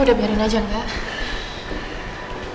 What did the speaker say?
udah biarin aja enggak